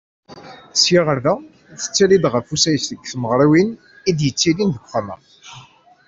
Sya ɣer da, tettali-d ɣef usayes deg tmeɣriwin i d-yettilin deg Uxxam-a.